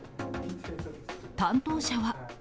担当者は。